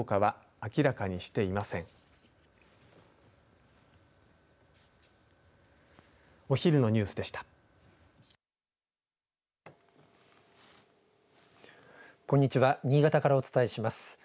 新潟からお伝えします。